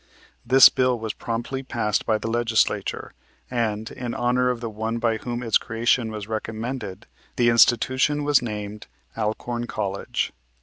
This bill was promptly passed by the Legislature, and, in honor of the one by whom its creation was recommended the institution was named "Alcorn College."